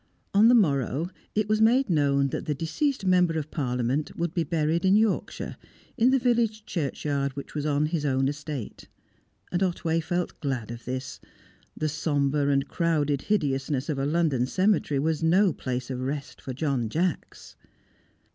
On the morrow, it was made known that the deceased Member of Parliament would be buried in Yorkshire, in the village churchyard which was on his own estate. And Otway felt glad of this; the sombre and crowded hideousness of a London cemetery was no place of rest for John Jacks.